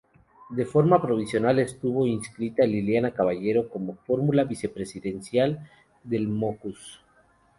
De forma provisional, estuvo inscrita Liliana Caballero como fórmula vicepresidencial de Mockus.